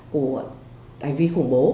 của hành vi khủng bố